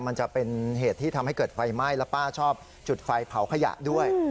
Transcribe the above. มันจะเป็นเหตุที่ทำให้เกิดไฟไหม้แล้วป้าชอบจุดไฟเผาขยะด้วย